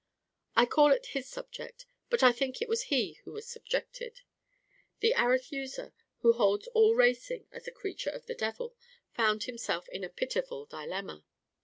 I call it his subject; but I think it was he who was subjected. The Arethusa, who holds all racing as a creature of the devil, found himself in a pitiful dilemma.